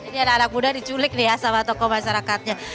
ini anak anak muda diculik nih ya sama tokoh masyarakatnya